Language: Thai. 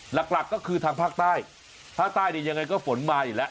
หลักก็คือทางภาคใต้ถ้าใต้ยังไงก็ฝนมาอยู่แล้ว